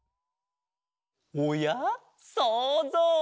おやそうぞう！